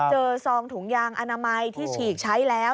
ซองถุงยางอนามัยที่ฉีกใช้แล้ว